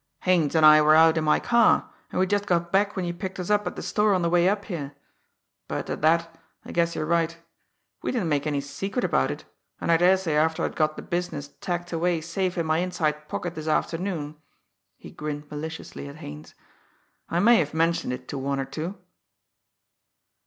"Haines and I were out in my car, and we'd just got back when you picked us up at the store on the way up here. But, at that, I guess you're right. We didn't make any secret about it, and I daresay after I'd got the business tacked away safe in my inside pocket this afternoon" he grinned maliciously at Haines "I may have mentioned it to one or two."